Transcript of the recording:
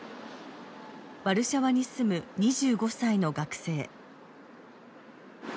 ワルシャワに住む２５歳の学生。